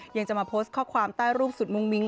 ยังจะมาโพสต์ข้อความใต้รูปสุดมุ้งมิ้ง